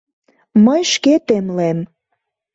Мый шке темлем.